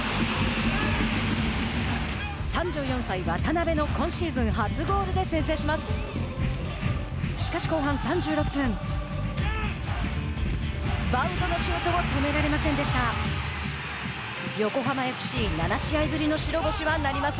３４歳、渡邉の今シーズン初ゴールで先制します。